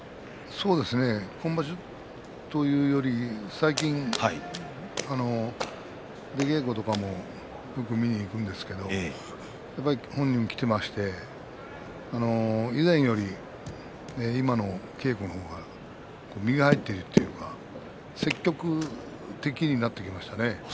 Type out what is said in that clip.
今場所というよりも最近、出稽古とかもよく見に行くんですが本人も来ていまして以前よりも今の稽古の方が身が入っているというか積極的になってきましたね。